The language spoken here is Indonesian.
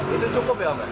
itu cukup ya pak